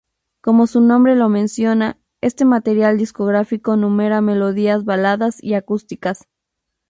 Como su nombre lo menciona, este material discográfico numera melodías baladas y acústicas.